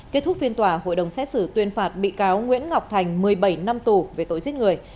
kết thúc phiên tòa hội đồng xét xử tuyên phạt bị cáo nguyễn ngọc thành một mươi bảy năm tù về tội giết người